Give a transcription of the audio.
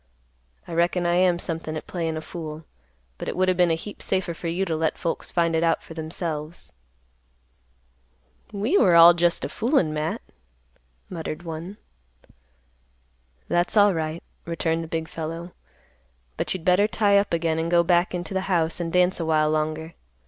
I reckon I am somethin' at playin' a fool, but it would o' been a heap safer for you to let folks find it out for themselves." "We all were jest a foolin', Matt," muttered one. "That's alright," returned the big fellow; "But you'd better tie up again and go back into the house and dance a while longer.